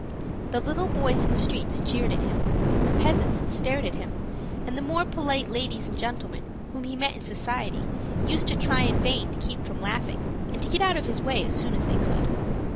The little boys in the streets jeered at him, the peasants stared at him, and the more polite ladies and gentlemen whom he met in society used to try in vain to keep from laughing, and to get out of his way as soon as they could.